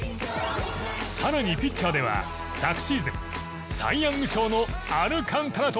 更にピッチャーでは昨シーズンサイ・ヤング賞のアルカンタラ投手。